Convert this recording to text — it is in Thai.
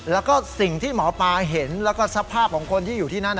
แล้วก็สิ่งที่หมอปลาเห็นแล้วก็สภาพของคนที่อยู่ที่นั่น